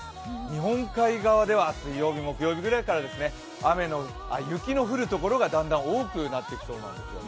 日本海側では水曜日、木曜日ぐらいから雪の降る所がだんだん多くなってきそうです。